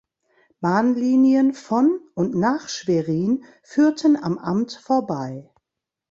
Bahnlinien von und nach Schwerin führten am Amt vorbei.